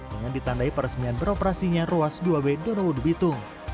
dengan ditandai peresmian beroperasinya ruas dua b donohudu bitung